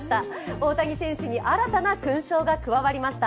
大谷選手に新たな勲章が加わりました。